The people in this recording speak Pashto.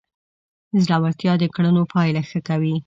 زړورتیا د کړنو پایله ښه کوي.